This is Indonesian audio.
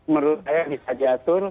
menurut saya bisa diatur